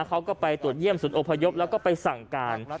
เขาก็ไปตรวจเยี่ยมศูนย์อพยพแล้วก็ไปสั่งการ